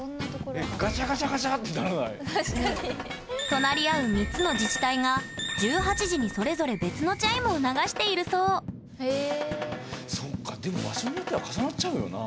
隣り合う３つの自治体が１８時にそれぞれ別のチャイムを流しているそうそっかでも場所によっては重なっちゃうよな。